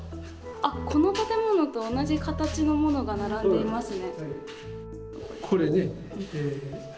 この建物と同じ形のものが並んでいますね。